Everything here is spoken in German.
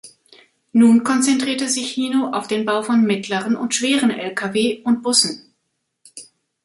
Nun konzentrierte sich Hino auf den Bau von mittleren und schweren Lkw und Bussen.